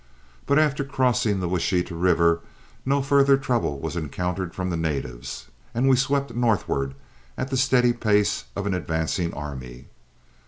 But after crossing the Washita River no further trouble was encountered from the natives, and we swept northward at the steady pace of an advancing army.